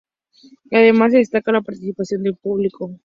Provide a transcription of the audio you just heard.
Además, se destaca la participación del público.